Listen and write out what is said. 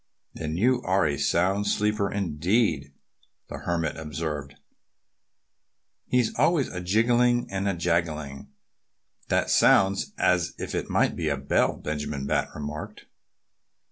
"Then you are a sound sleeper indeed," the Hermit observed. "He's always a jingling and a jangling." "That sounds as if he might be a bell," Benjamin Bat remarked.